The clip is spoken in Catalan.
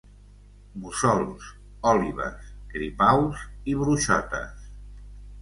Mussols, òlibes, gripaus i bruixotes.